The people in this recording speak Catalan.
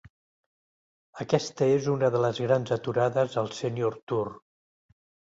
Aquesta és una de les grans aturades al Senior Tour.